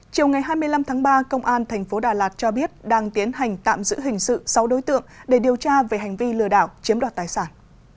chiều ngày hai mươi năm tháng ba công an tp đà lạt cho biết đang tiến hành tạm giữ hình sự sáu đối tượng để điều tra về hành vi lừa đảo chiếm đoạt tài sản